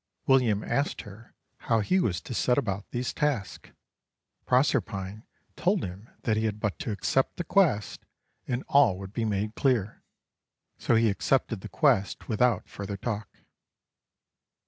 William asked her how he was to set about these tasks. Proserpine told him that he had but to accept the quest and all would be made clear. So he accepted the quest without further talk.